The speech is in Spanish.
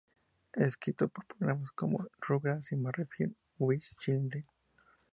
Ha escrito para programas como "Rugrats" y "Married...with Children".